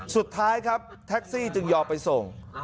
สุดท้ายครับแท็กซี่จึงยอมไปส่ง